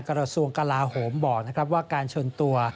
กระทรวงกลาโหมบอกนะครับว่าการชนตัว